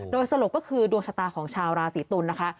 โดยสรุปก็คือดวงชะตาของชาวราศีตุลนะคะ